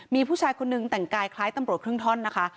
มีผู้ชายคนนึงแต่งกายคล้ายตำรวจครึ่งท่อนนะคะ